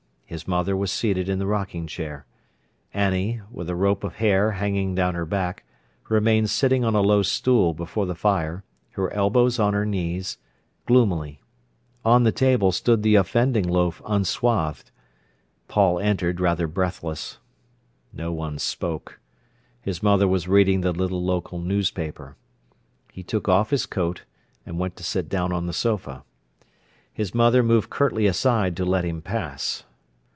His mother was seated in the rocking chair. Annie, with a rope of hair hanging down her back, remained sitting on a low stool before the fire, her elbows on her knees, gloomily. On the table stood the offending loaf unswathed. Paul entered rather breathless. No one spoke. His mother was reading the little local newspaper. He took off his coat, and went to sit down on the sofa. His mother moved curtly aside to let him pass.